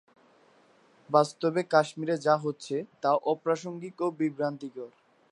বাস্তবে কাশ্মীরে যা হচ্ছে, তা অপ্রাসঙ্গিক ও বিভ্রান্তিকর।